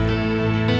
oke sampai jumpa